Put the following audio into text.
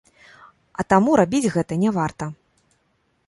А таму рабіць гэта не варта.